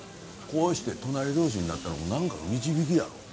こうして隣同士になったのもなんかの導きやろう。